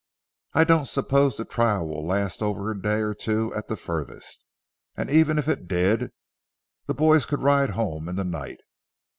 I don't suppose the trial will last over a day or two at the furthest, and even if it did, the boys could ride home in the night.